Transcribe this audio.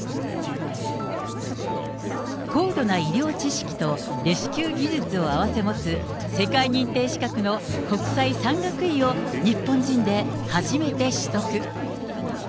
高度な医療知識とレスキュー技術を併せ持つ世界認定資格の国際山岳医を日本人で初めて取得。